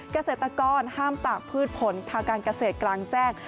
เกษตรกรห้ามตากพืชผลทางการเกษตรกลางแจ้ง